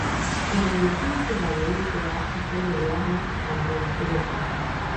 Ela intuitivamente acha que é melhor não ficar mais tempo.